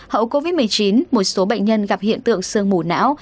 hậu covid một mươi chín một số bệnh nhân gặp hiện tượng sương mù não